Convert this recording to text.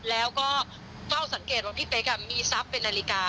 แล้วก็เฝ้าสังเกตว่าพี่เป๊กมีทรัพย์เป็นนาฬิกา